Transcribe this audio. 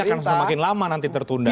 ini akan semakin lama nanti tertunda ya